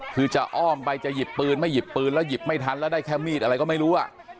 คือจะอ้อมไปจะหยิบปืนไม่หยิบปืนแล้วหยิบไม่ทันแล้วได้แค่มีดอะไรก็ไม่รู้